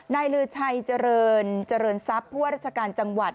นายเลือดชัยเจริญเจริญซับผู้รัชกาลจังหวัด